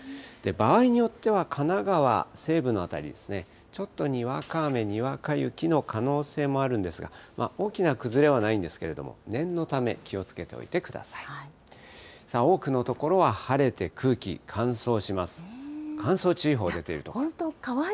場合によっては、神奈川西部の辺り、ちょっとにわか雨、にわか雪の可能性もあるんですが、大きな崩れはないんですけれども、念のため、気をつけておいてください。